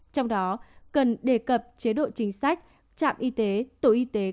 trong đó cần đề cập chế độ chính sách trạm y tế tổ y tế